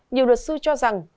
nhiều luật sư cho rằng